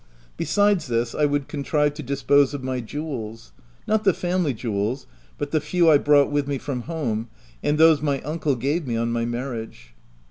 Besides this, I would contrive to dispose of my jewels— not the family jewels, but the few I brought with me from home, and those my uncle gave me on my marriage.